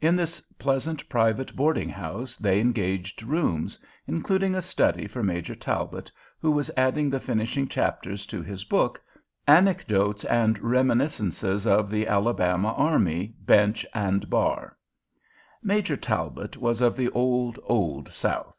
In this pleasant private boarding house they engaged rooms, including a study for Major Talbot, who was adding the finishing chapters to his book, Anecdotes and Reminiscences of the Alabama Army, Bench, and Bar. Major Talbot was of the old, old South.